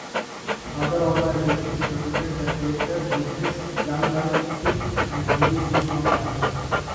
Other organizations represent the Quaker, Buddhist, Young Life, Sikh, and Hindu groups on campus.